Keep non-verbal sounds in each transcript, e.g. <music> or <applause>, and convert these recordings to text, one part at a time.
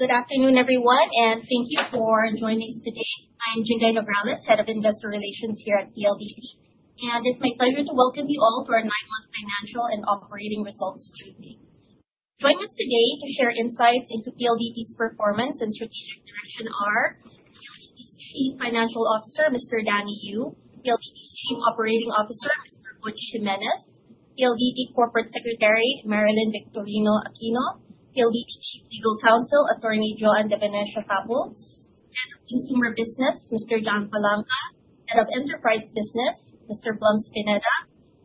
All right. Good afternoon everyone and thank you for joining us today. I'm Jinggay Nograles, Head of Investor Relations here at PLDT and it's my pleasure to welcome you all to our nine-month financial and operating results briefing. Joining us today to share insights into PLDT's performance and strategic direction are PLDT's Chief Financial Officer, Mr. Danny Yu, PLDT's Chief Operating Officer, Mr. Butch Jimenez, PLDT Corporate Secretary Marilyn Victorino-Aquino. She'll be the Chief Legal Counsel Atty. Joan De Venecia-Fabul, Head of Consumer Business, Mr. John Palanca, Head of Enterprise Business, Mr. Mitch Locsin,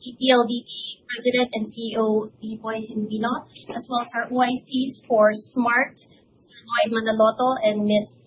ePLDT President and CEO, Victor S. Genuino as well as our OICs for Smart, Mr. Lloyd Manaloto and Ms.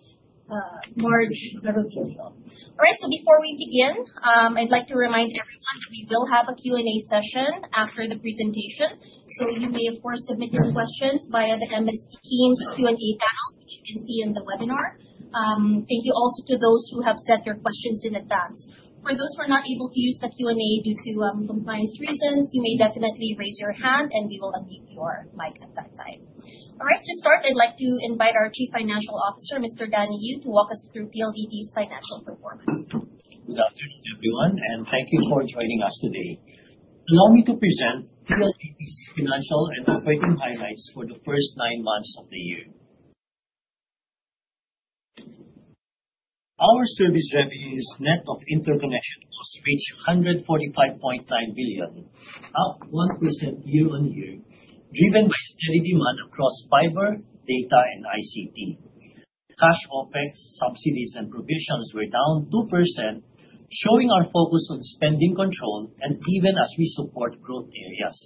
Marge Gargantiel. All right, so before we begin, I'd like to remind everyone we will have a Q&A session after the presentation. So you may of course submit your questions via the Ms. Teams Q&A panel which you can see in the webinar. Thank you. Also to those who have sent your questions in advance, for those who are not able to use the Q&A due to compliance reasons, you may definitely raise your hand and we will unmute your mic at that time. All right, to start, I'd like to invite our Chief Financial Officer, Mr. Danny Yu to walk us through PLDT's financial performance. Good afternoon everyone and thank you for joining us today. Allow me to present PLDT's financial and operating highlights. For the first nine months of the year. Our service revenues net of interconnection costs reached 145.9 billion, up 1% year-on-year, driven by steady demand across fiber data and ICT cash. OpEx subsidies and provisions were down 2%, showing our focus on spending control, even as we support growth areas.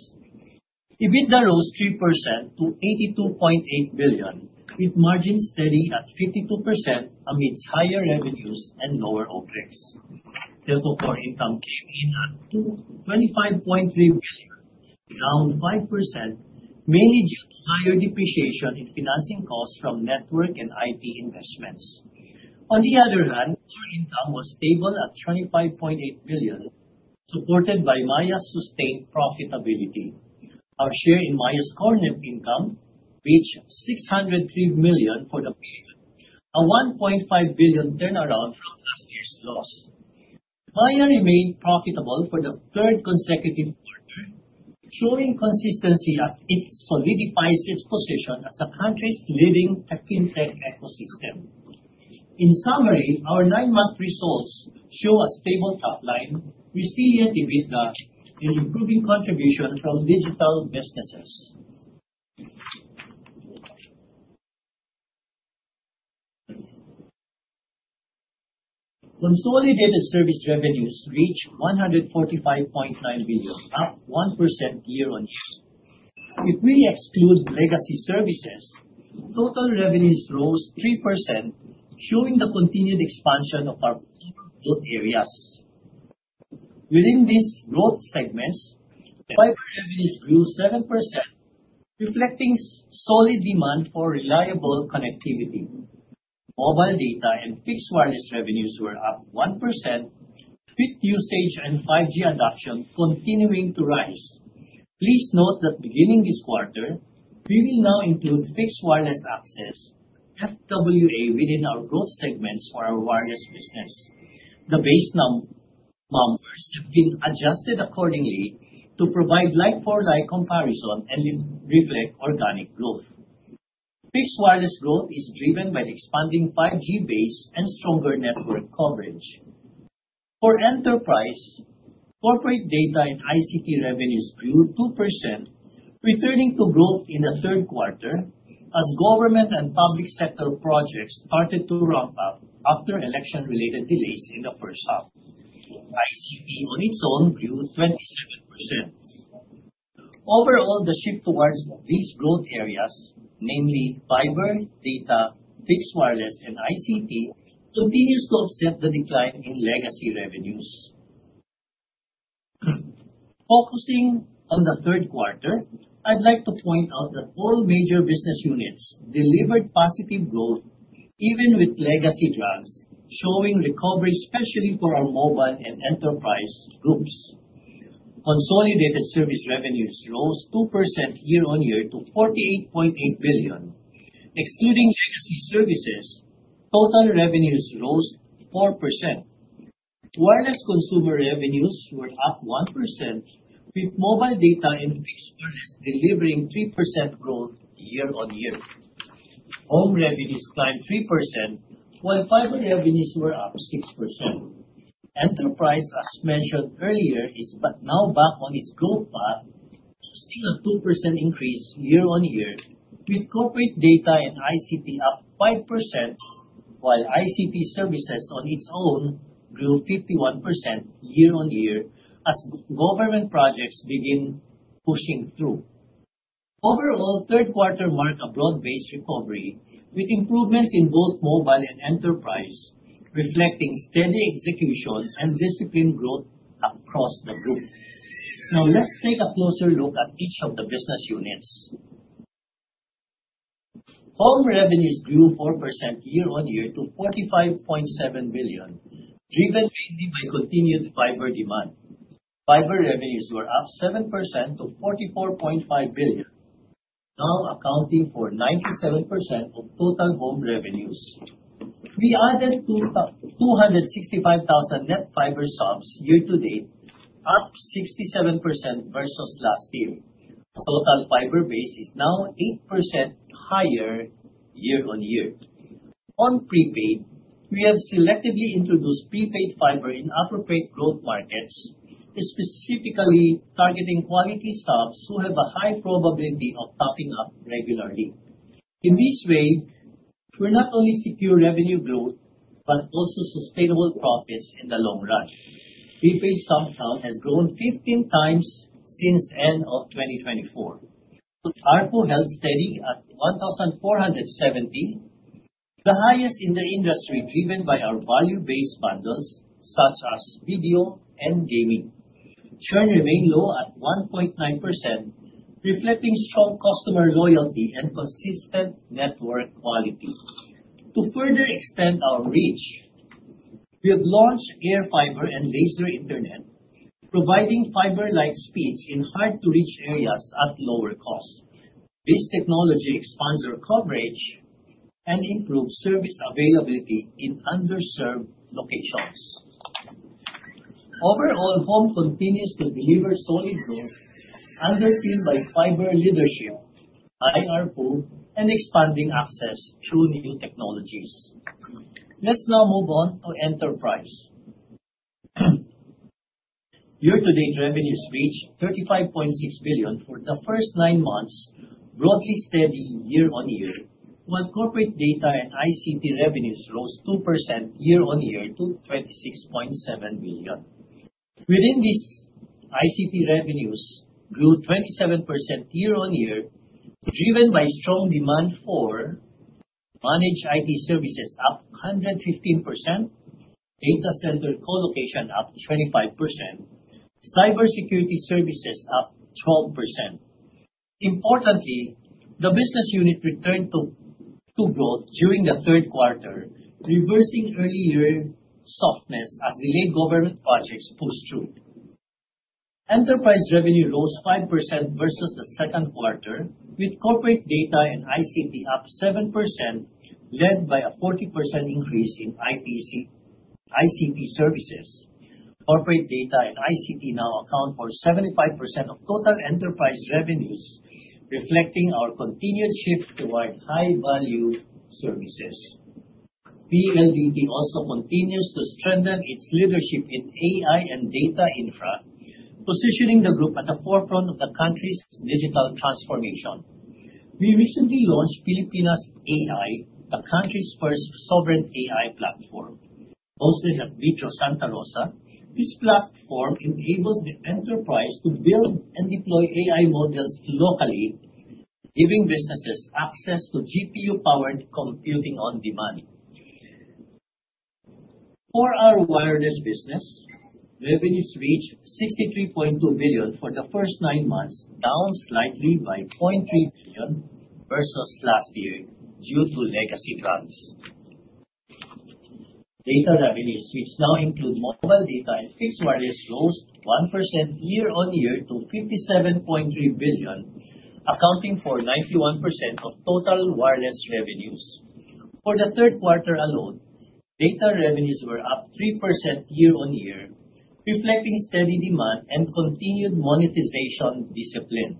EBITDA rose 3% to 82.8 billion, with margins steady at 52% amidst higher revenues and lower OpEx. Therefore, core income came in at 25.3 billion, down 5% mainly due to higher depreciation in financing costs from network and IT investments. On the other hand, core income was stable at 25.8 billion, supported by Maya's sustained profitability. Our share in Maya's core net income reached 603 million for the period, a 1.5 billion turnaround from last year's loss. Maya remained profitable for the third consecutive quarter, ensuring consistency as it solidifies its position as the country's leading tech fintech ecosystem. In summary, our nine-month results show a stable top line, resilient EBITDA, and improving contribution from digital businesses. <audio distortion> Consolidated Service revenues reach 145.9 billion, up 1% year-on-year. If we exclude legacy services, total revenues rose 3% showing the continued expansion of our growth areas. Within these growth segments, fiber revenues grew 7% reflecting solid demand for reliable connectivity. Mobile data and fixed wireless revenues were up 1%, with usage and 5G adoption continuing to rise. Please note that beginning this quarter we will now include fixed wireless access FWA within our growth segments for our wireless business. The base numbers have been adjusted accordingly to provide like for like comparison and reflect organic growth. Fixed wireless growth is driven by the expanding 5G base and stronger network coverage for enterprise. Corporate data and ICT revenues grew 2% returning to growth in the third quarter as government and public sector projects started to ramp up after election related delays. In the first half, ICT on its own grew 27%. Overall, the shift towards these growth areas, namely fiber data, fixed wireless and ICT, continues to offset the decline in legacy revenues. Focusing on the third quarter, I'd like to point out that all major business units delivered positive growth even with legacy drags showing recovery especially for our mobile and enterprise groups. Consolidated service revenues rose 2% year-on-year to 48.8 billion. Excluding legacy services, total revenues rose 4%. Wireless consumer revenues were up 1% with mobile data and fixed wireless delivering 3% growth year-on-year. Home revenues climbed 3% while fiber revenues were up 6%. Enterprise, as mentioned earlier, is now back on its growth path, posting a 2% increase year-on-year with corporate data and ICT up 5% while ICT services on its own grew 51% year-on-year as government projects begin pushing through. Overall third quarter marked a broad-based recovery with improvements in both mobile and enterprise reflecting steady execution and disciplined growth across the group. Now let's take a closer look at each of the business units. Home revenues grew 4% year-on-year to 45.7 billion, driven mainly by continued fiber demand. Fiber revenues were up 7% to 44.5 billion, now accounting for 97% of total home revenues. We added 265,000 net fiber subs year to date, up 67% versus last year. Total fiber base is now 8% higher year-on-year. On Prepaid we have selectively introduced prepaid fiber in appropriate growth markets, specifically targeting quality subs who have a high probability of topping up regularly. In this way we're not only secure revenue growth but also sustainable profits in the long run. Prepaid Sub count has grown 15 times since end of 2024. ARPU held steady at 1470, the highest in the industry driven by our value based bundles such as video and gaming. Churn remained low at 1.9% reflecting strong customer loyalty and consistent network quality. To further extend our reach, we have launched Air Fiber and Laser internet, providing fiber-like speeds in hard-to-reach areas at lower cost. This technology expands our coverage and improves service availability in underserved locations. Overall, home continues to deliver solid growth underpinned by fiber leadership, ARPU and expanding access through new technologies. Let's now move on to enterprise. Year to date revenues reach 35.6 billion for the first nine months, broadly steady year-on-year, while corporate data and ICT revenues rose 2% year-on-year to 26.7 billion. Within this, ICT revenues grew 27% year-on-year, driven by strong demand for managed IT Services up 115%, Data Center Colocation up 25%, Cybersecurity Services up 12%. Importantly, the business unit returned to growth during the third quarter, reversing earlier softness as delayed government projects pulls through. Enterprise revenue rose 5% versus the second quarter with corporate data and ICT up 7%, led by a 40% increase in ICT services. Corporate data and ICT now account for 75% of total enterprise revenues, reflecting our continuous shift toward high value services. PLDT also continues to strengthen its leadership in AI and data infra, positioning the group at the forefront of the country's digital transformation. We recently launched Filipinas AI, the country's first sovereign AI platform hosted at Vitro Santa Rosa. This platform enables the enterprise to build and deploy AI models locally, giving businesses access to GPU powered computing. On demand. For our wireless business, revenues reached 63.2 billion for the first nine months, down slightly by 0.3 billion versus last year due to legacy plans. Data revenues, which now include mobile data and fixed wireless grew 1% year-on-year to 57.3 billion, accounting for 91% of total wireless revenues. For the third quarter alone, data revenues were up 3% year-on-year, reflecting steady demand and continued monetization discipline.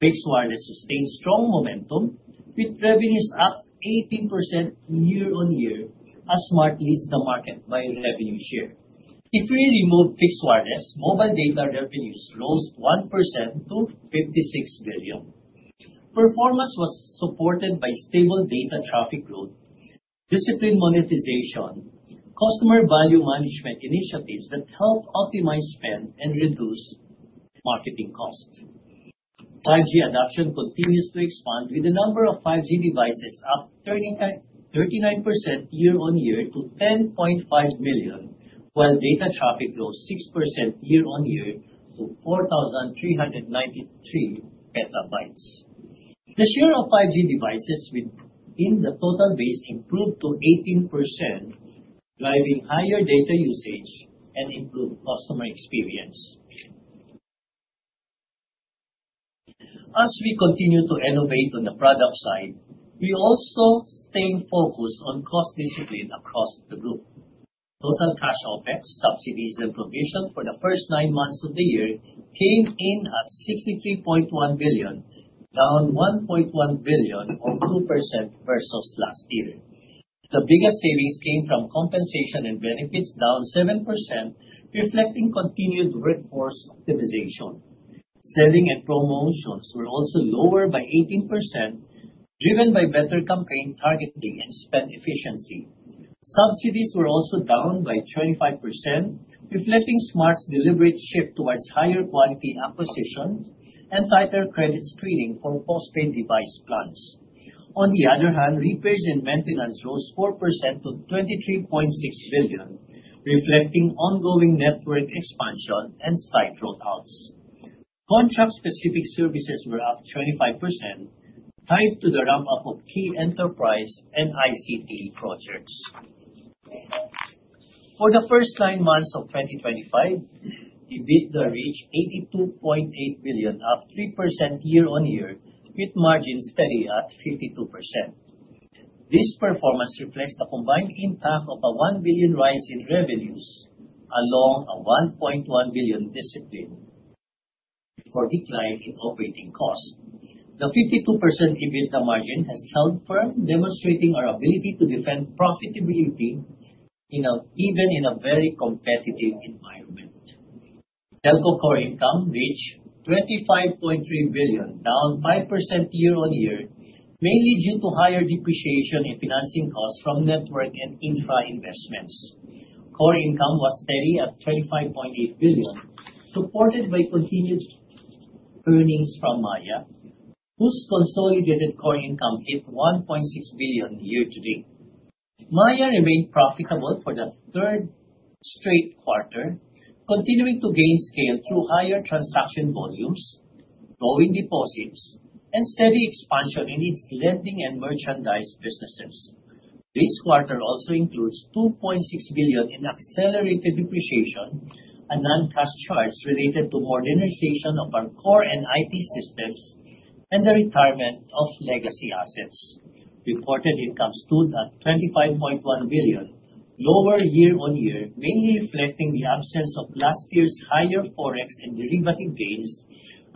Fixed Wireless sustained strong momentum with revenues up 18% year-on-year as Smart leads the market by revenue share. If we remove fixed wireless mobile data, revenues rose 1% to 56 billion. Performance was supported by stable data traffic growth, disciplined monetization, customer value management initiatives that help optimize spend and reduce marketing costs. 5G adoption continues to expand with the number of 5G devices up 30.39% year-on-year to 10.5 million, while data traffic grows 6% year-on-year to 4,393 petabytes. The share of 5G devices within the total base improved to 18%, driving higher data usage and improved customer experience. As we continue to innovate on the product side, we also stayed focused on cost discipline across the group. Total cash, Opex subsidies and provision for the first nine months of the year came in at 63.1 billion, down 1.1 billion or 2% versus last year. The biggest savings came from compensation and benefits, down 7% reflecting continued workforce optimization. Selling and promotions were also lower by 18%, driven by better campaign targeting and spend efficiency. Subsidies were also down by 25% reflecting Smart's deliberate shift towards higher quality acquisitions and tighter credit screening for postpaid device plans. On the other hand, repairs and maintenance rose 4% to 23.6 billion reflecting ongoing network expansion and site rollouts. Contract specific services were up 25% tied to the ramp up of key enterprise and ICT projects. For the first nine months of 2025, EBITDA reached PHP 82.8 billion, up 3% year-on-year with margins steady at 52%. This performance reflects the combined impact of a one billion rise in revenues along with a 1.1 billion decline in operating costs. The 52% EBITDA margin has held firm, demonstrating our ability to defend profitability. Even in a very competitive environment. Telco core income reached 25.3 billion, down 5% year-on-year, mainly due to higher depreciation and financing costs from network and infra investments. Core income was steady at 35.8 billion supported by continued earnings from Maya, whose consolidated core income hit 1.6 billion year to date. Maya remained profitable for the third straight quarter, continuing to gain scale through higher transaction volumes, growing deposits and steady expansion in its lending and merchandise businesses. This quarter also includes 2.6 billion in accelerated depreciation, a non-cash charge related to modernization of our core and IT systems and the retirement of legacy assets. Reported income stood at 25.1 billion lower year-on-year, mainly reflecting the absence of last year's higher forex and derivative gains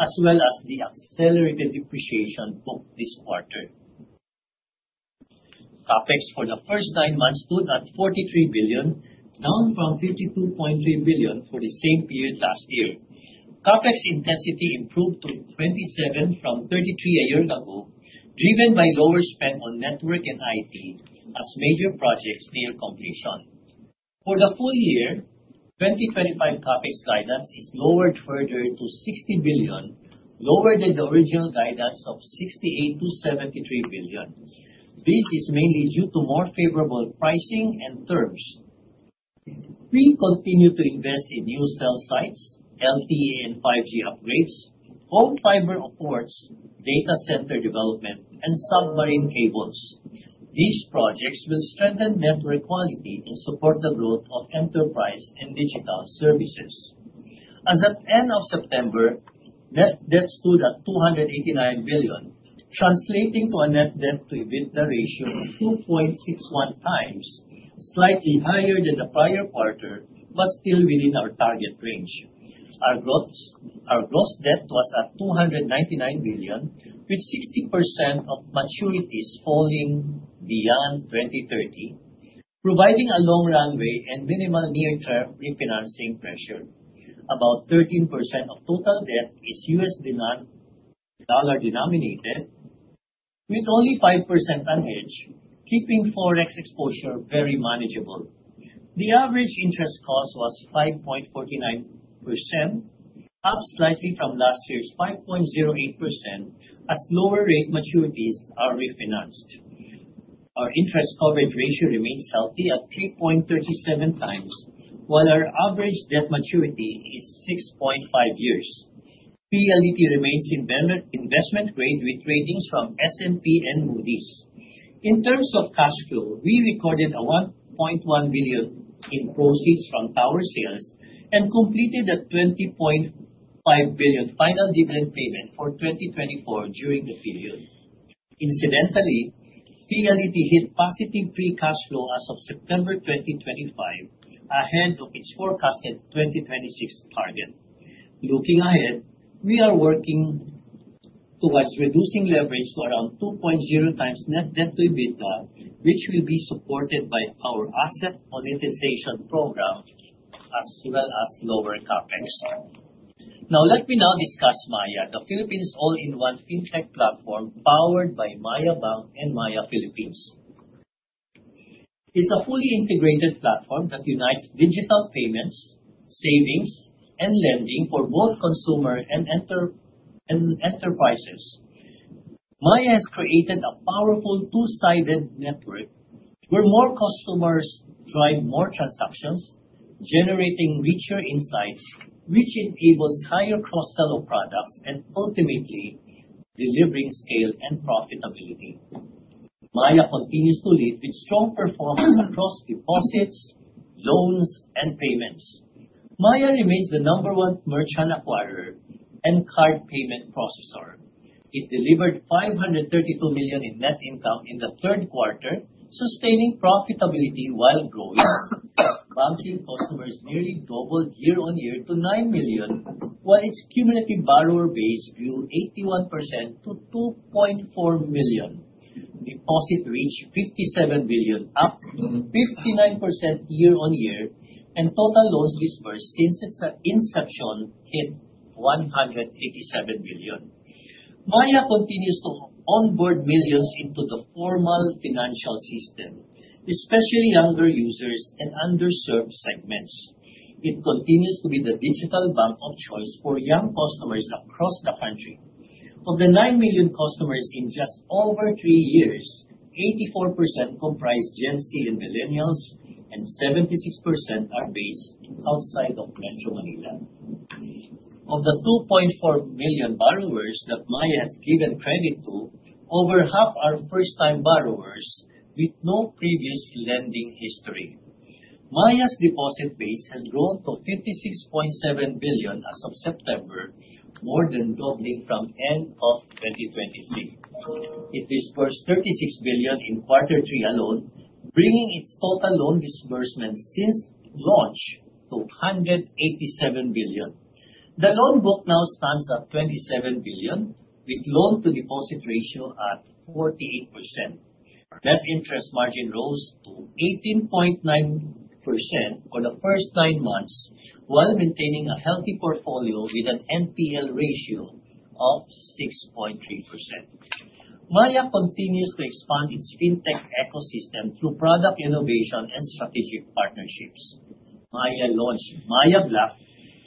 as well as the accelerated depreciation post this quarter. CapEx for the first nine months stood at 43 billion, down from 52.3 billion for the same period last year. CapEx intensity improved to 27% from 33% a year ago, driven by lower spend on network and IT as major projects near completion. For the full year 2025, CapEx guidance is lowered further to 60 billion, lower than the original guidance of 68 billion-73 billion. This is mainly due to more favorable pricing and terms. We continue to invest in new cell sites, LTE and 5G upgrades, home fiber and ports, data center development and submarine cables. These projects will strengthen network quality and support the growth of enterprise and digital services. As at end of September, net debt stood at 289 billion translating to a net debt to EBITDA ratio of 2.61 times, slightly higher than the prior quarter but still within our target range. Our gross debt was at 299 billion with 60% of maturities falling beyond 2030, providing a long runway and minimal near-term refinancing pressure. About 13% of total debt is USD. With only 5% unhedged, keeping forex exposure very manageable. The average interest cost was 5.49%, up slightly from last year's 5.08% as lower rate maturities refinanced. Our interest coverage ratio remains healthy at 3.37 times while our average debt maturity is 6.5 years. PLDT remains investment grade with ratings from S&P and Moody's. In terms of cash flow, we recorded 1.1 billion in proceeds from tower sales and completed a 20.5 billion final dividend payment for 2024 during the period. Incidentally, PLDT hit positive free cash flow as of September 2025 ahead of its forecasted 2026 target. Looking ahead, we are working towards reducing leverage to around 2.0 times net debt to EBITDA which will be supported by our asset monetization program as well as leverage lower capex. Now let me discuss Maya the Philippines all in one fintech platform powered by Maya Bank and Maya Philippines. It's a fully integrated platform that unites digital payments, savings and lending for both consumers and enterprises. Maya has created a powerful two-sided network where more customers drive more transactions, generating richer insights which enables higher cross-sell of products and ultimately delivering scale and profitability. Maya continues to lead with strong performance across deposits, loans and payments. Maya remains the number one merchant acquirer and card payment processor. It delivered 532 million in net income in the third quarter, sustaining profitability while growing. Banked customers nearly doubled year-on-year to nine million while its cumulative borrower base grew 81% to 2.4 million. Deposits reached 57 billion, up 59% year-on-year and total loans disbursed since its inception hit 187 billion. Maya continues to onboard millions into the formal financial system, especially younger users and underserved segments. It continues to be the digital bank of choice for young customers across the country. Of the 9 million customers in just over three years, 84% comprise Gen Z and millennials and 76% are based outside of Metro Manila. Of the 2.4 million borrowers that Maya has given credit to, over half are first time borrowers with no previous lending history. Maya's deposit base has grown to 56.7 billion as of September, more than doubling from end of 2023. It dispersed 36 billion in quarter three alone, bringing its total loan disbursement since launch to 187 billion. The loan book now stands at 27 billion with loan to deposit ratio at 48%. Net interest margin rose to 18.9% for the first nine months while maintaining a healthy portfolio with an NPL ratio of 6.3%. Maya continues to expand its fintech ecosystem through product innovation and strategic partnerships. Maya launched Maya Black,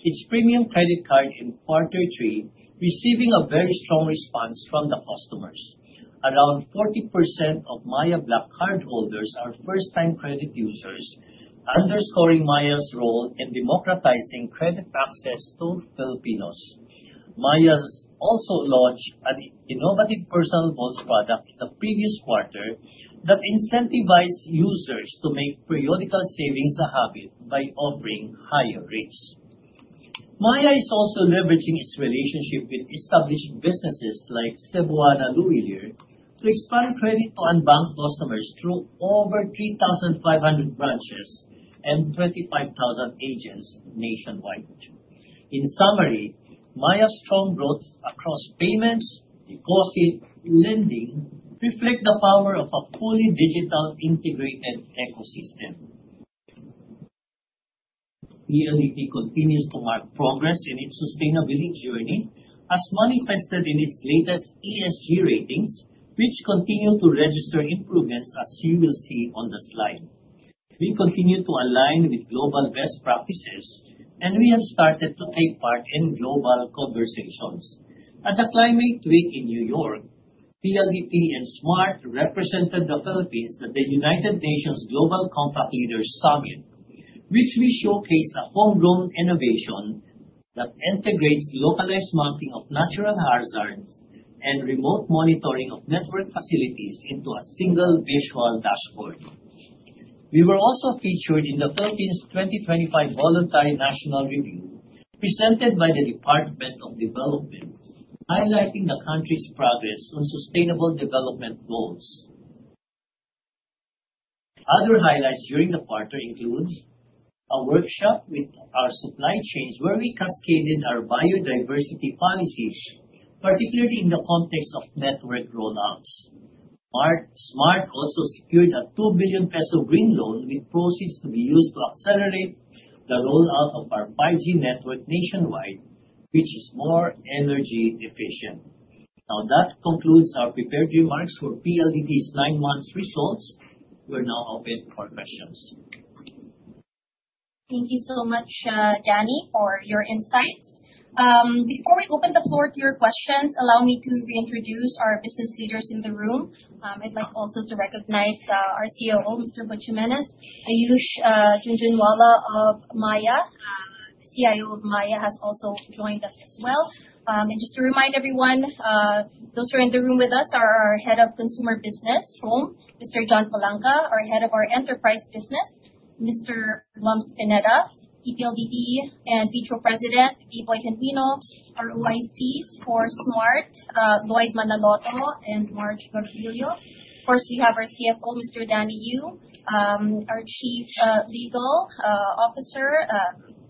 its premium credit card in quarter three, receiving a very strong response from the customers. Around 40% of Maya Black Card holders are first time credit users. Underscoring Maya's role in democratizing credit access to Filipinos, Maya also launched an innovative personal bonds product in the previous quarter that incentivize users to make periodical savings a habit by offering higher rates. Maya is also leveraging its relationship with established businesses like Cebuana Lhuillier to expand credit to unbanked customers through over 3,500 branches and 25,000 agents nationwide. In summary, Maya's strong growth across payments. Lending reflects the power of a fully digital integrated ecosystem. PLDT continues to mark progress in its sustainability journey as manifested in its latest ESG ratings which continue to register improvements. As you will see on the slide, we continue to align with global best practices and we have started to take part in global conversations at the Climate Week in New York. PLDT and Smart represented the Philippines at the United Nations Global Compact Leaders Summit which we showcased a homegrown innovation that integrates localized mapping of natural hazards and remote monitoring of network facilities into a single visual dashboard. We were also featured in the Philippines 2025 Voluntary National Review presented by the NEDA highlighting the country's progress on sustainable development goals. Other highlights during the quarter include a workshop with our supply chains where we cascaded our biodiversity policies, particularly in the context of network rollouts. Smart also secured a 2 billion peso green loan with proceeds to be used to accelerate the rollout of our 5G network nationwide which is more energy efficient. Now that concludes our prepared remarks for PLDT's nine months results. We're now open for questions. Thank you so much Danny, for your insights. Before we open the floor to your questions, allow me to reintroduce our business leaders in the room. I'd like also to recognize our COO, Mr. Butch Jimenez, Aayush Jhunjhunwala of Maya, CIO of Maya has also joined us as well. And just to remind everyone, those who are in the room with us are our head of consumer business, Mr. John Palanca, our head of our enterprise business, Mr. Mitch Locsin, ePLDT and Vitro President, Mr. Viboy Genuino. Our OICs for Smart, Lloyd Manaloto and Marge Gargantiel. First we have our CFO, Mr. Danny Yu, our Chief Legal Officer,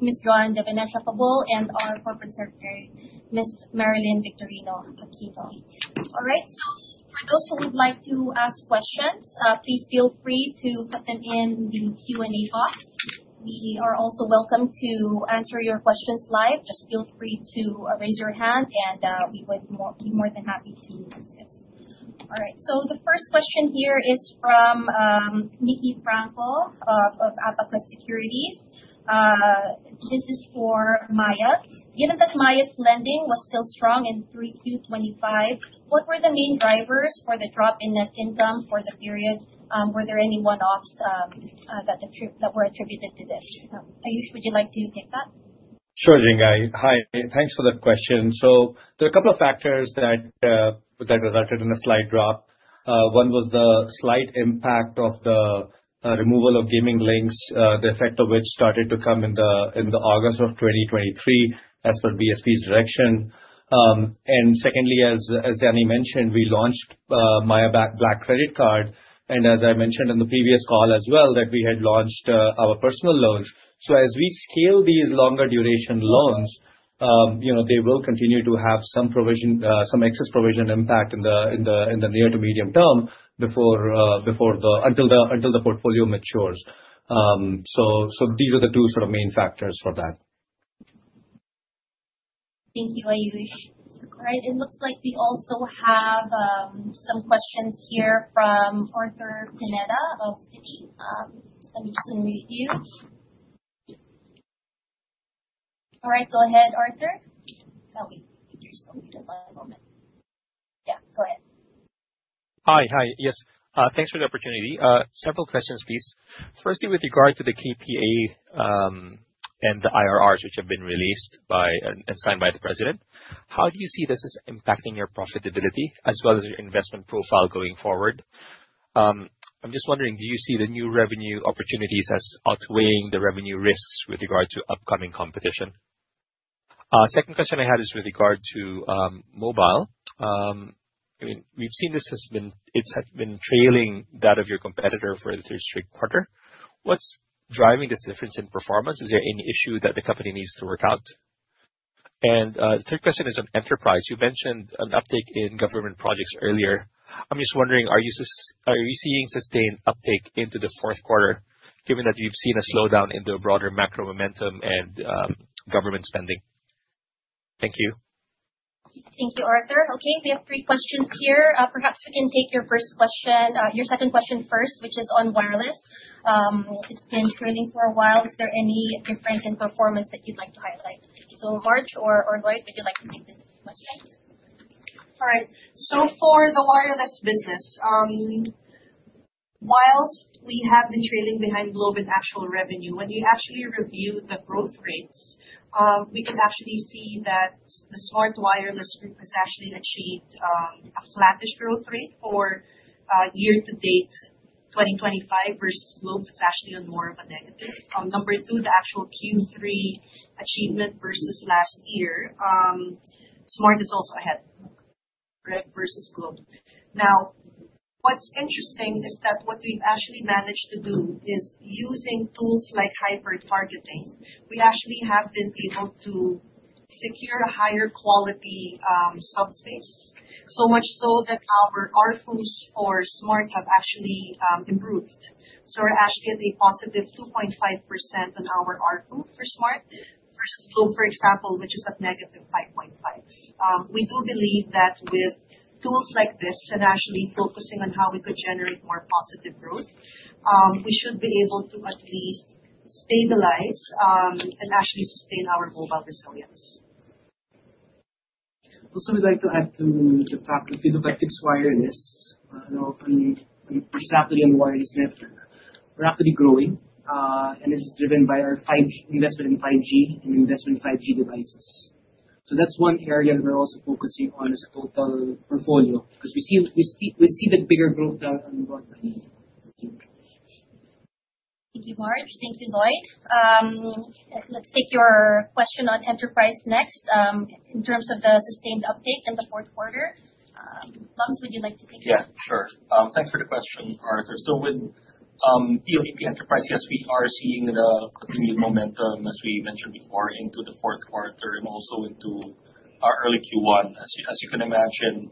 Ms. Joan De Venecia-Fabul and our Corporate Secretary, Ms. Marilyn Victorino-Aquino. All right, so for those who would like to ask questions, please feel free to put them in the Q&A box. We are also welcome to answer your questions live. Just feel free to raise your hand and we would more than happy to use this. All right, so the first question here is from Nikki Franco of Abacus Securities. This is for Maya. Given that Maya's lending was still strong in Q25, what were the main drivers for the drop in net income for the period? Were there any one-offs that were attributed to this? Ayush, would you like to get that? Sure. Jingai. Hi, thanks for the question. So there are a couple of factors that resulted in a slight drop. One was the slight impact of the removal of gaming links, the effect of which started to come in the August of 2023 as per BSP's direction. Secondly, as Danny mentioned, we launched. Maya Black credit card, and as I mentioned in the previous call as well, that we had launched our personal loan. So as we scale these longer duration. Loans, they will continue to have some excess provision impact in the near term. Medium term. Until the portfolio matures. So these are the two sort of main factors for that. Thank you. Ayush. All right, it looks like we also have some questions here from Arthur Pineda of Citi. Let me just unmute you. All right, go ahead. Arthur. Hi. Yes, thanks for the opportunity. Several questions please. Firstly, with regard to the KPA and the IRRs which have been released and signed by the President, how do you see this impacting your profitability as well as your investment profile going forward? I'm just wondering, do you see the new revenue opportunities as outweighing the revenue risks with regard to upcoming competition? Second question I had is with regard to mobile. We've seen this has been trailing that of your competitor for the third straight quarter. What's driving this difference in performance? Is there any issue that the company? Needs to work out? And the third question is on enterprise. You mentioned an uptick in government projects earlier. I'm just wondering, are you seeing sustained uptake into the fourth quarter given that you've seen a slowdown in the broader macro momentum and government spending? Thank you. Thank you, Arthur. Okay, we have three questions here. Perhaps we can take your first question, your second question first, which is on wireless. It's been raining for a while. Is there any difference in performance that you'd like to highlight? So Marge or Lloyd, would you like to take this? Alright, so for the wireless business. While we have been trading behind Globe in actual revenue, when you actually review the growth rates, we can actually see. That the Smart wireless group has actually. Achieved a flattish growth rate for year to date 2025 versus Globe. It's actually more of a negative. Number two, the actual Q3 achievement versus last year. Smart is also ahead versus Globe. Now what's interesting is that what we've actually managed to do is using tools like hyper targeting, we actually have been able to secure higher quality subspace, so much so that our ARPUs for Smart have actually improved. So we're actually at a positive 2.5%. On our RF for Smart versus Globe. For example, which is at -5.5%. We do believe that with tools like this and actually focusing on how we could generate more positive growth, we should be able to at least stabilize and actually sustain our mobile resilience. Also, we'd like to add to the. fact that we've of PLDT wireless. Wire enterprise is rapidly growing and it's driven by our investment in 5G and 5G devices. So that's one area that we're also focusing on as a total portfolio because we see the bigger growth. Thank you, Marge. Thank you, Lloyd. Let's take your question on enterprise next in terms of the status update in the fourth quarter. Locsin, would you like to take it? Yeah, sure. Thanks for the question, Arthur.So with PLDT Enterprise, yes, we are seeing the continued momentum, as we mentioned before, into the fourth quarter and also into early Q1. As you can imagine,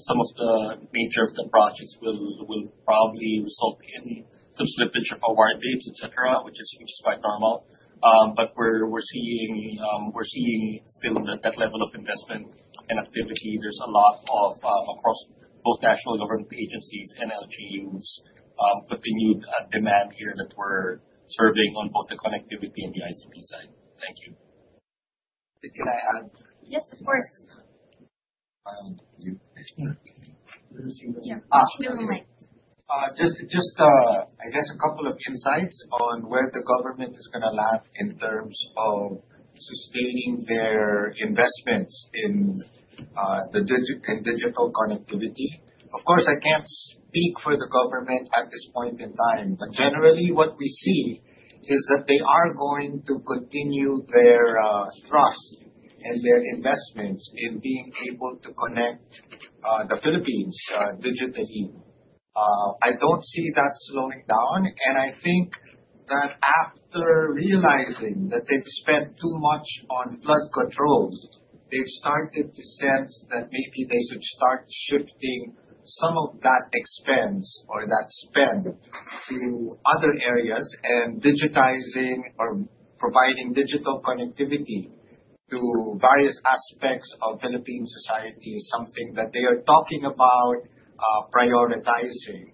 some of the major of the projects will probably result in some slippage of award dates, cetera, which is quite normal. But we're seeing steady still that level of investment and activity. There's a lot of, across both national government agencies, LGUs, continued demand here that we're serving on both the connectivity and the ICT side. Thank you. Can I add? Yes, of course. Just, I guess, a couple of insights on where the government is going to land in terms of sustaining their investments in. Digital connectivity. Of course, I can't speak for the government at this point in time, but generally what we see is that they are going to continue their trust and their investments in being able to connect the Philippines digitally. I don't see that slowing down. And I think that after realizing that they've spent too much on flood control, they've started to sense that maybe they should start shifting some of that expense or that spend to other areas. And digitizing or providing digital connectivity to various aspects of Philippine society is something that they are talking about prioritizing.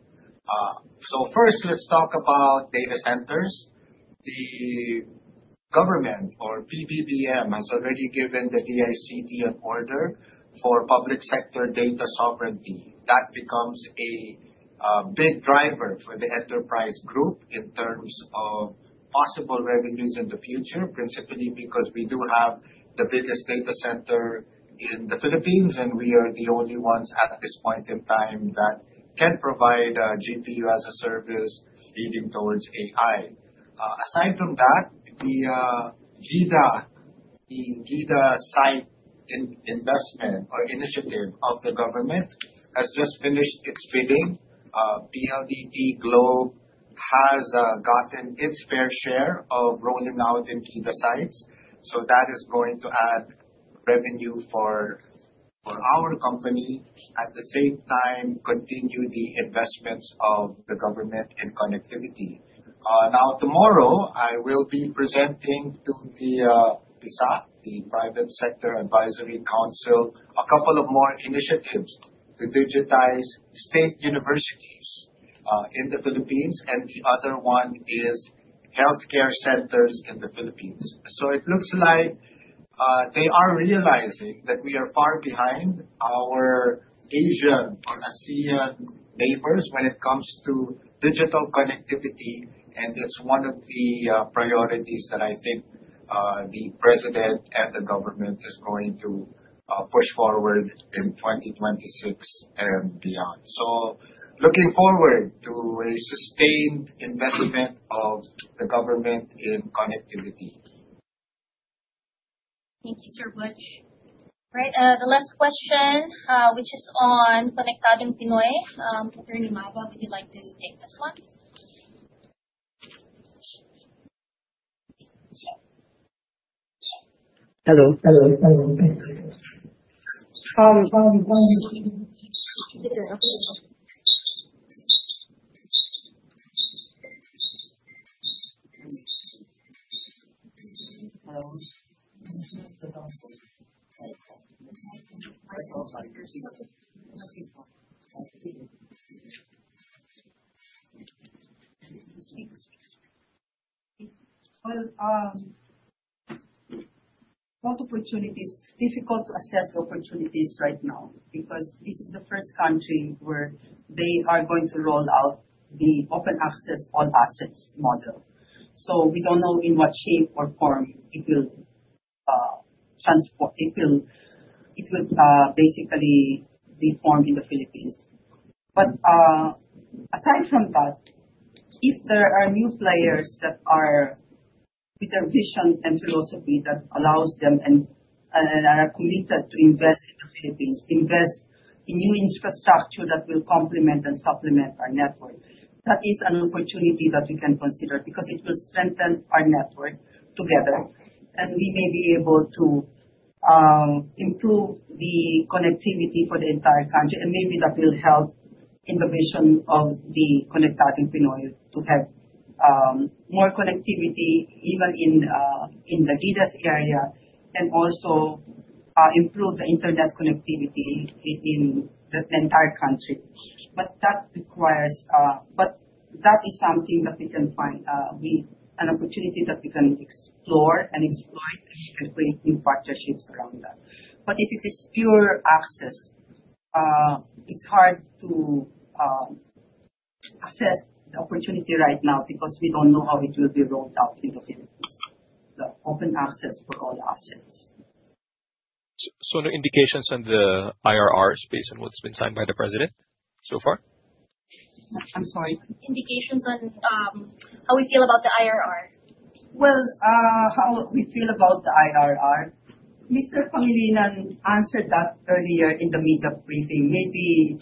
So first let's talk about data centers. The government, or PBBM, has already given the DICT an order for public sector data sovereignty that becomes a big driver for the enterprise group in terms of possible revenues in the future. Principally because we do have the biggest data center in the Philippines and we are the only ones at this point in time that can provide GPU as a service leading towards AI. Aside from that, the GIDA site investment or initiative of the government has just finished its bidding. PLDT and Globe has gotten its fair share of rolling out into 80 sites. So that is going to add revenue for our company. At the same time, continue the investments of the government in connectivity. Now, tomorrow I will be presenting to the PSAC, the Private Sector Advisory Council, a couple of more initiatives to digitize state universities in the Philippines and the other one is health care centers in the Philippines. So it looks like they are realizing that we are far behind our Asian or ASEAN neighbors when it comes to digital connectivity. And it's one of the priorities that I think the President and the government is going to push forward in 2026 and beyond. So looking forward to a sustained investment of the government in connectivity. Thank you, sir. Right, the last question. Victorino-Aquino, would you like to take this one? Hello. Hello. <audio distortion> Opportunities. It's difficult to assess the opportunities right now because this is the first country where they are going to roll out the open access all assets model. So we don't know in what shape or form it will transform. It will basically take form in the Philippines. But aside from that, if there are new players that are with their vision and philosophy that allows them and. To invest in the Philippines, invest in new infrastructure that will complement and supplement our network. That is an opportunity that we can consider because it will strengthen our network together and we may be able to improve the connectivity for the entire country. And maybe that will help innovation of the Konektadong Pinoy. To have more connectivity even in the GIDAs area can also improve the internet connectivity within the entire country. But that requires. But that is something that we can find with an opportunity that we can explore and exploit and create new partnerships around that. But if it is pure access. It's hard to. Assess the opportunity right now because we don't know how it will be rolled out in the Philippines. Open access for all assets. No indications on the IRRs based on what's been signed by the President so far? I'm sorry, indications on how we feel about the IRR. How we feel about the IRR. Mr. Pangilinan answered that earlier in the media preparation. Maybe.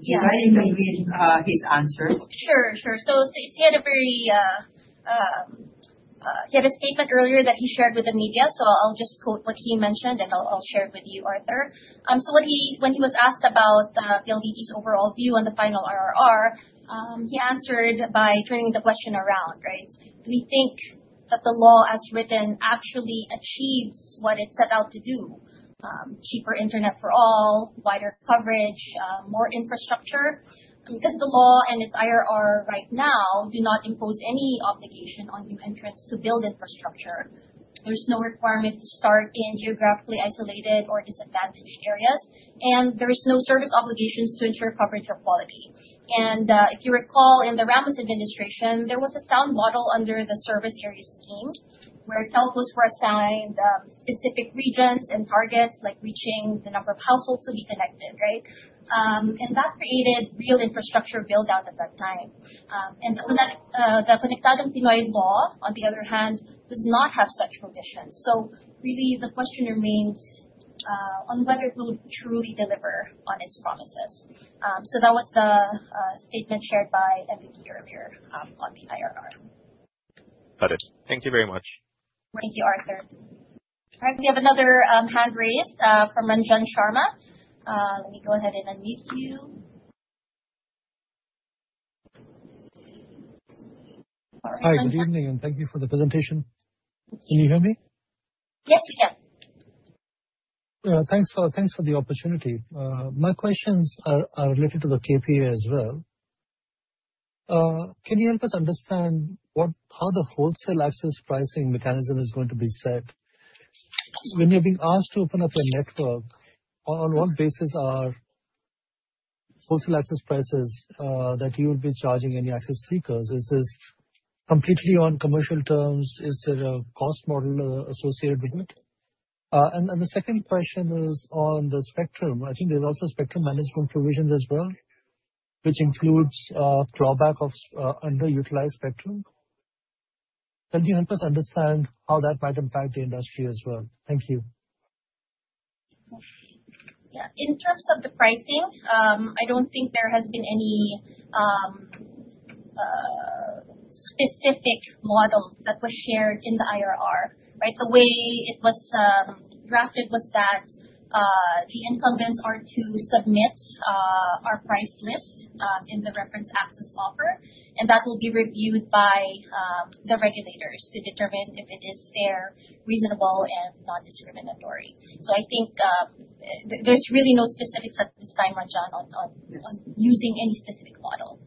His answer. Sure, sure. So he had a very. He had a statement earlier that he shared with the media. So I'll just quote what he mentioned and I'll share it with you, Arthur. So when he was asked about PLDT's overall view on the final IRR, he answered by turning the question around. Right. Do we think that the law as written actually achieves what it set out to do? Cheaper Internet for all, wider coverage, more infrastructure? Because the law and its IRR right now do not impose any obligation on new entrants to build infrastructure. There's no requirement to start in geographically isolated or disadvantaged areas and there's no service obligations to ensure coverage or quality. And if you recall, in the Ramos administration there was a sound model under the service area scheme where telcos were assigned specific regions and targets like reaching the number of households to be connected. Right. And that created real infrastructure build out at that time. And the Konektadong Pinoy law on the other hand does not have such conditions. So really the question remains on whether it will truly deliver on its promises. So that was the statement shared by MVP earlier on the IRR. Got it. Thank you very much. Thank you, Arthur. All right, we have another hand raised from Ranjan Sharma. Let me go ahead and unmute you. Hi, good evening and thank you for the presentation. Can you hear me? Yes, we can. Thanks for the opportunity. My questions are related to the KPA as well. Can you help us understand how the wholesale access pricing mechanism is going to be set when you're being asked to open up a network? On what basis are wholesale access prices that you will be charging any access seekers? Is this completely on commercial terms? Is there a cost model associated with it? The second question is on the spectrum. I think there's also spectrum management provisions. As well as which includes drawback of underutilized spectrum. Can you help us understand how that? Might impact the industry as well? Thank you. In terms of the pricing, I don't think there has been any. Specific model that was shared in the IRR. The way it was drafted was that the incumbents are to submit our price list in the reference access offer, and that will be reviewed by the regulators to determine if it is fair, reasonable, and non-discriminatory. So I think there's really no specifics at this time, Ranjan, on using any specific model.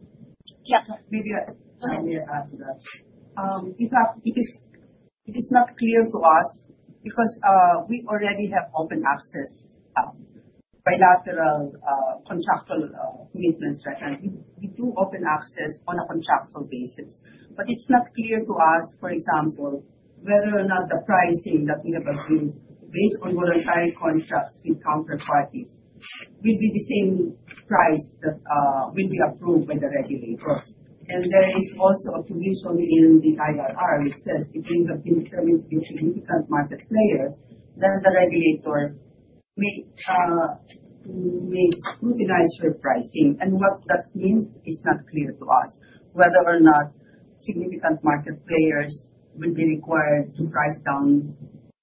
Yes, maybe I may add to that.In fact, it is. It is not clear to us because we already have open access bilateral contractual commitments. Right now we do open access on a contractual basis, but it's not clear to us, for example, whether or not the pricing that we have agreed based on voluntary contracts with counterparties will be the same price that will be approved by the regulators, and there is also a provision in the IRR which says if you have been determined to be a significant market player, then the regulator may. Scrutinize repricing, and what that means is not clear to us. Whether or not significant market players will be required to price down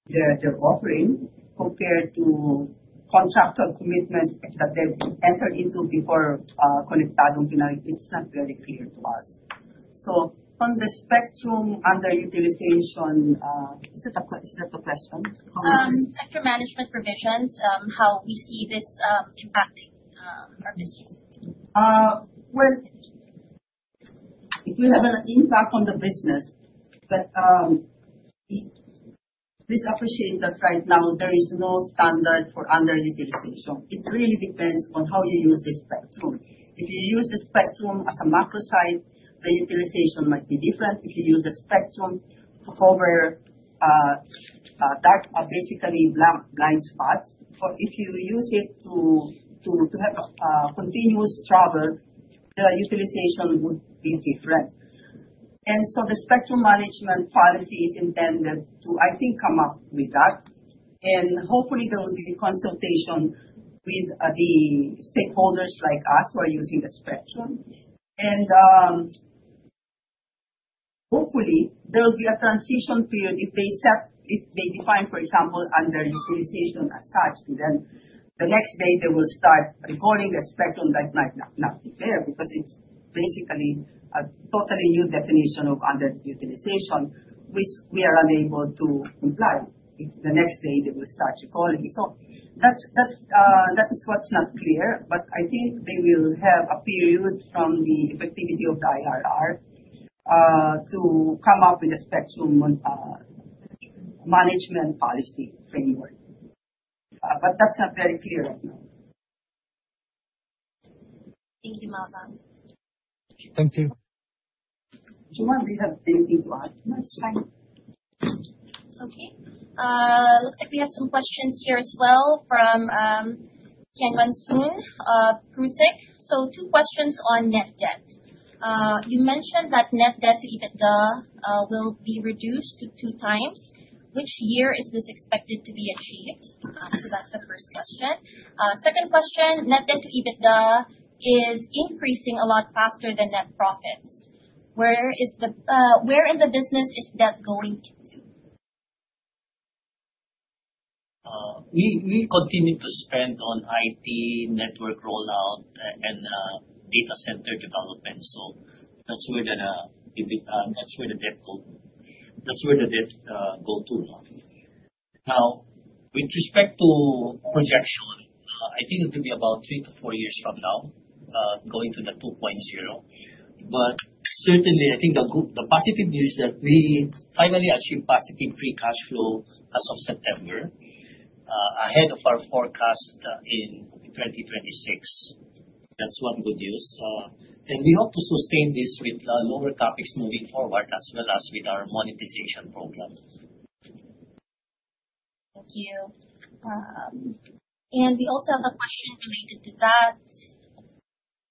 their offering compared to contractual commitments that they entered into before connectivity? It's not very clear to us, so on the spectrum underutilization. Is that a question? Management provisions, how we see this impacting our business? Well. It will have an impact on. The business, but. Please appreciate that right now there is no standard for underutilization. It really depends on how you use the spectrum. If you use the spectrum as a macro site, the utilization might be different. If you use the spectrum to cover. Basically blind spots or if you use it to have continuous travel, the utilization would be different, and so the spectrum management policy is intended to, I think, come up with that, and hopefully there will be consultation with the stakeholders like us who are using the spectrum and. Hopefully there will be a transition period. If they set, if they define for example underutilization as such, then the next day they will start recording the spectrum that might not be there because it's basically a totally new definition of underutilization which we are unable to comply. The next day they will start recording. So that is what's not clear. But I think they will have a period from the effectivity of the IRR to come up with a spectrum. Management policy. That's not very clear right now. Thank you, Marilyn Thank you. Okay, looks like we have some questions here as well from. So two questions on net debt. You mentioned that net debt to EBITDA will be reduced to two times. Which year is this expected to be achieved? So that's the first question. Second question, net debt to EBITDA is increasing a lot faster than net profits. Where in the business is debt going into? We continue to spend on it, network rollout and data center development. So. That's where the debt go to. Now with respect to projection, I think it will be about three to four years from now going to the 2.0. But certainly I think the positive news that we finally achieved positive free cash flow as of September ahead of our forecast in 2026. That's one good news and we hope to sustain this with lower CapEx moving forward as well as with our money monetization program. Thank you. We also have a question related to that.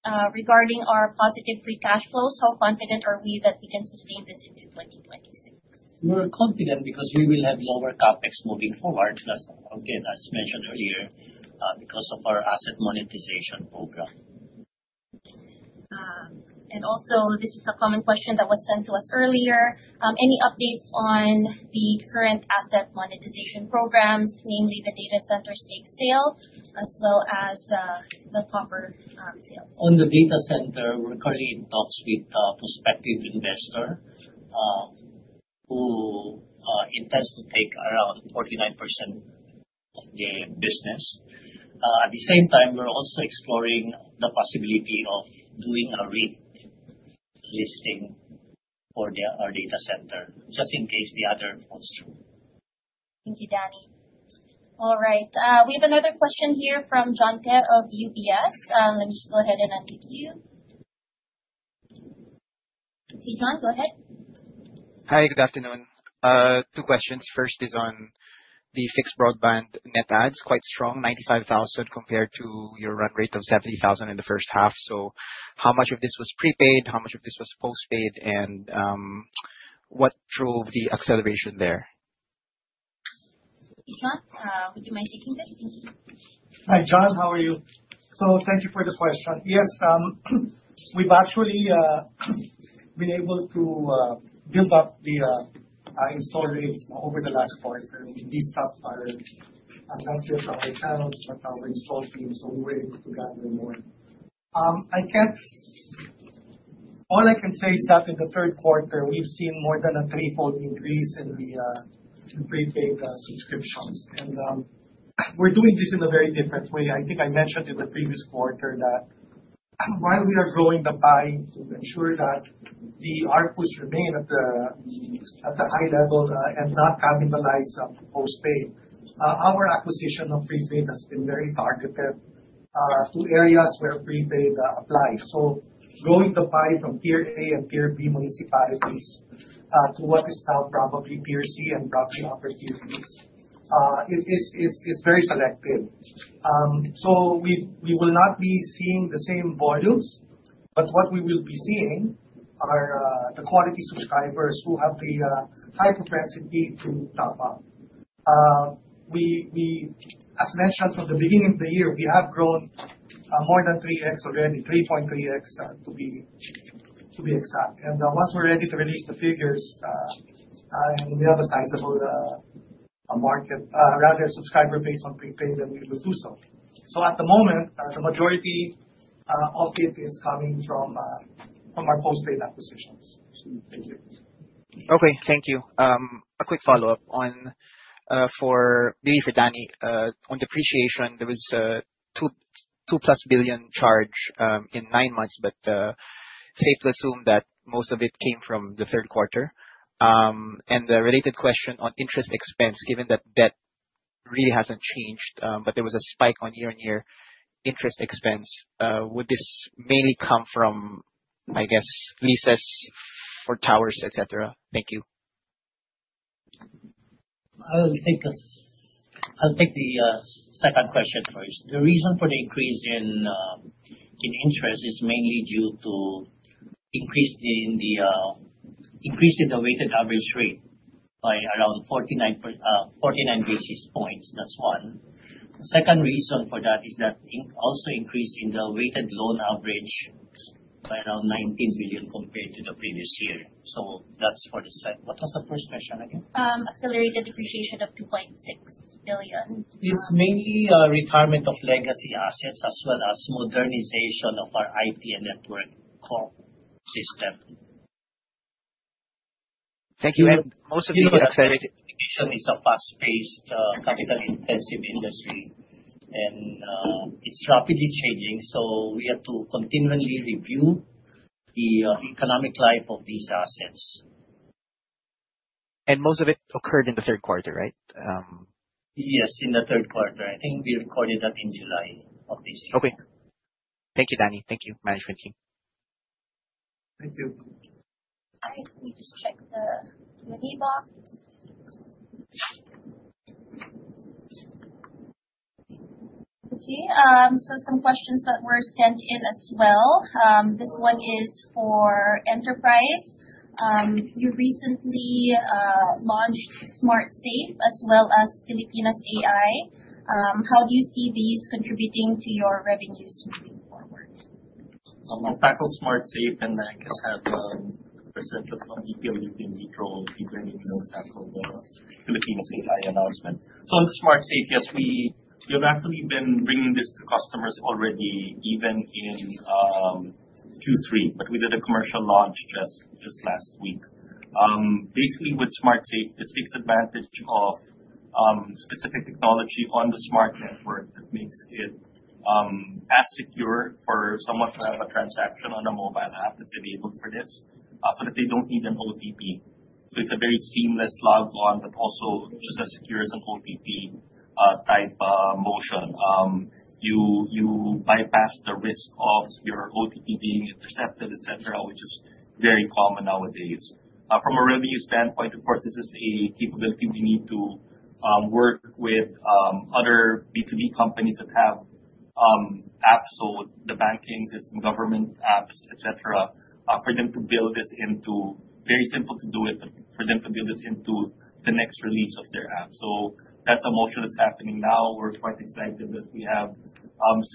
Regarding our positive free cash flows. How confident are we that we can sustain this into 2026? We're confident because we will have lower CapEx moving forward as mentioned earlier because of our asset monetization program. And, also, this is a common question that was sent to us earlier. Any updates on the current asset monetization programs, namely, the data center stake sale as well as the copper sales on the data center? We're currently in talks with prospective investor. Who intends to take around 49% of the business. At the same time we're also exploring the possibility of doing a relisting for our data center just in case the other falls through. Thank you, Danny. All right, we have another question here from John Te of UBS. Let me just go ahead and unmute you. John, go ahead. Hi, good afternoon. Two questions. First is on the fixed broadband net adds, quite strong 95,000 compared to your run rate of 70,000 in the first half, so how much of this was prepaid, how much of this was postpaid, and what drove the acceleration there? John, would you mind taking this? Thank you. Hi John, how are you? So thank you for the question. Yes, we've actually been able to build up the install rates over the last quarter. These top are. Install team, so we. were able to gather more. I guess. All I can say is. That in the third quarter we've seen. More than a threefold increase in the prepaid subscriptions and we're doing this in a very different way. I think I mentioned in the previous quarter that while we are growing the pie to ensure that the ARPUs remain at the high level and not cannibalizing postpaid, our acquisition of prepaid has been very targeted to areas where prepaid applies. Going to buy from tier A. Tier B municipalities to what is now probably Tier C and probably opportunities. It's very selective, so we will not be seeing the same volumes, but what we will be seeing are the quality subscribers who have. The high propensity to top up. As mentioned, from the beginning of the year we have grown more than 3x already. 3.3x to be exact. Once we're ready to release the figures, we have a sizable market share, our subscriber base on prepaid and we will do so. At the moment the majority of. It is coming from our postpaid acquisitions. Okay, thank you. A quick follow up on, maybe for Danny, on depreciation. There was 2 plus billion charge in nine months, but safe to assume that most of it came from the third quarter. The related question on interest expense. Given that debt really hasn't changed, but there was a spike on year-on-year interest expense. Would this mainly come from I guess leases for towers, etc.? Thank you. I'll take the second question first. The reason for the increase in interest is mainly due to. Increase in the weighted average rate by around 49 basis points. That's the second reason for that is that also increase in the weighted loan average by around 19 billion compared to the previous year. So that's for the second. What was the first question again? Accelerated depreciation of 2.6 billion. It's mainly retirement of legacy assets as well as modernization of our IT and network system. Thank you. And most of you are excited. It's a fast-paced capital-intensive industry and it's rapidly changing. So we have to continually review the economic life of these assets. Most of it occurred in the third quarter, right? Yes, in the third quarter. I think we recorded that in July of this year. Okay, thank you Danny. Thank you management team. Thank you. Box. Okay, so some questions that were sent in as well. This one is for enterprise. You recently launched SmartSafe as well as Filipinas AI. How do you see these contributions contributing to your revenues moving forward? Tackle SmartSafe and how we have ePLDT in Vitro. Tackle the Pilipinas AI announcement. So, on the SmartSafe, yes, we. We've actually been bringing this to customers already even in Q3, but we did a commercial launch just last week basically with SmartSafe. This takes advantage of specific technology on the Smart network that makes it as secure for someone to have a transaction on a mobile app that's enabled for this so that they don't need an OTP. So it's a very seamless log on but also just as secure as an OTP type motion. You bypass the risk of your OTP being intercepted, et cetera, which is very common nowadays. From a revenue standpoint, of course, this is a capability. We need to work with other B2B companies that have apps, so the banking system, government apps, et cetera. For them to build this into very simple to do it. For them to build it into the next release of their app. So that's a motion that's happening now. We're quite excited that we have.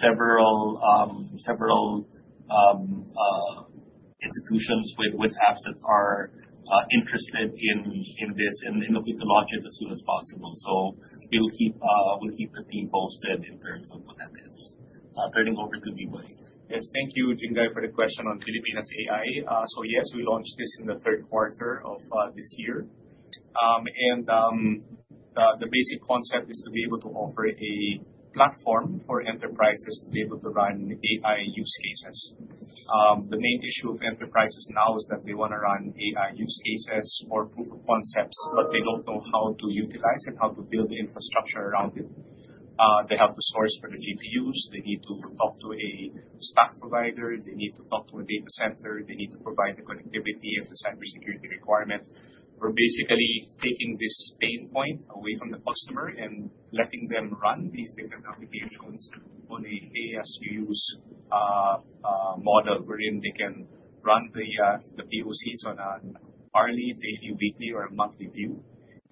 Several.Institutions with apps that are interested in this and looking to launch it as soon as possible. So we'll keep the team posted in terms of what that is turning over to Viboy. Yes, thank you Jinggay, for the question on Filipinas AI. So yes, we launched this in the third quarter of this year and the basic concept is to be able to offer a platform for enterprises to be able to run AI use cases. The main issue of enterprises now is that they want to run AI use cases or proof of concepts, but they don't know how to utilize and how to build the infrastructure around it. They have to source for the GPUs, they need to talk to a SaaS provider, they need to talk to a data center, they need to provide the connectivity and the cybersecurity quirement. We're basically taking this pain away from the customer and letting them run these data applications on a SaaS. Model wherein they can run the POCs on an hourly, daily, weekly or a monthly view.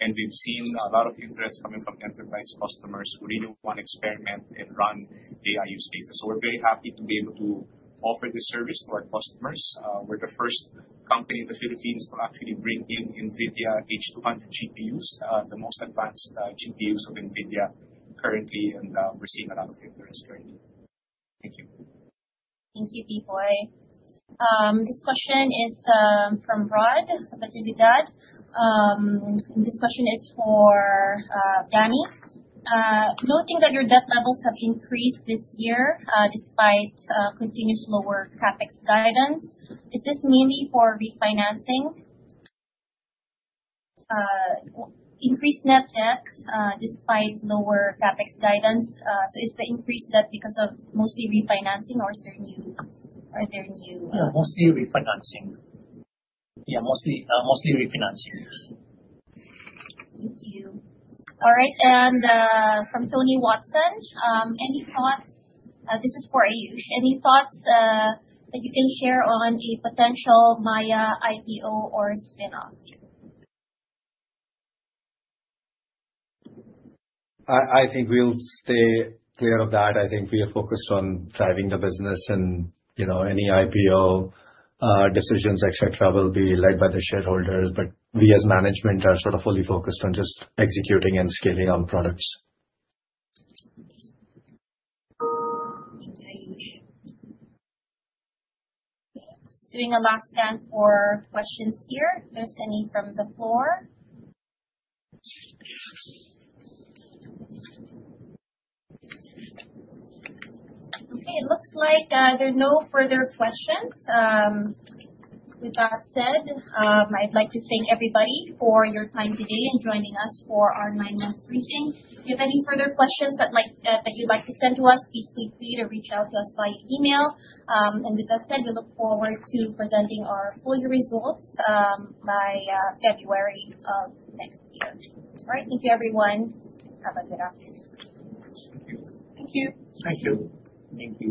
And we've seen a lot of interest coming from enterprise customers who really want to experiment and run AI use cases. So we're very happy to be able to offer this service to our customers. We're the first company in the Philippines to actually bring in Nvidia H200G GPUs, the most advanced GPUs of Nvidia currently. And we're seeing a lot of interest currently. Thank you. Thank you. This question is from Rod. This question is for Danny, noting that your debt levels have increased this year despite continuous lower CapEx guidance. Does this mean, mainly for refinancing? Increased net debt despite lower Capex guidance? So is the increase that because of mostly refinancing or is there new. Mostly refinancing? Yeah, mostly refinancing. Thank you. All right, and from Tony Watson, any thoughts on this? This is for Ayush. Any thoughts that you can share on a potential Maya IPO or spinoff? I think we'll stay clear of that.I think we are focused on driving the business and, you know, any IPO decisions, etc., will be led by the shareholders, but we as management are sort of fully focused on just executing and scaling our products. Just doing a last scan for questions here, if there's any from the floor.Okay.It looks like there are no further questions. With that said, I'd like to thank everybody for your time today and joining us for our nine-month briefing. If you have any further questions that you'd like to send to us, please feel free to reach out to us by email. And with that said, we look forward to presenting our full year results by February of next year. All right, thank you, everyone. Have a good afternoon. Thank you. Thank you. Thank you.